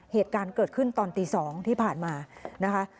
เหตุการณ์เกิดขึ้นตอนตี๒ที่ผ่านมานะคะ